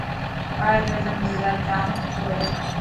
قائداعظم مزار ڄام سٺوهي.